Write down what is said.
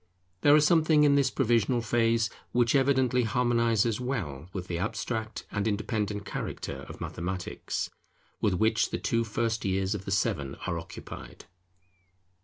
There is something in this provisional phase which evidently harmonizes well with the abstract and independent character of Mathematics, with which the two first years of the seven are occupied.